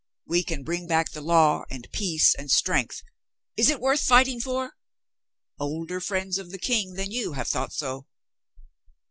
We can bring back the law and peace and strength. Is it worth fighting for? Older friends of the King than you have thought so."